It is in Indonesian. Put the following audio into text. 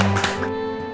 tepuk tangan buat joana